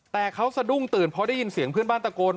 แต่เขาสะดุ้งตื่นเพราะได้ยินเสียงเพื่อนบ้านตะโกน